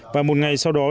và một ngày sau đó